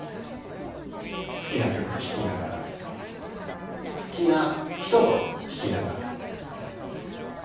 好きな曲聴きながら好きな人と聴きながら。